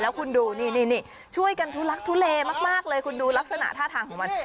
คุณดูนี่ช่วยกันทุลักทุเลมากเลยคุณดูลักษณะท่าทางของมัน